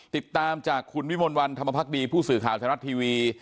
ติดตามจากคุณวิมลวันธรรมพักดีผู้สื่อข่าวไทยรัฐทีวี